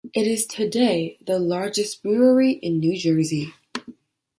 It is today the largest brewery in New Jersey.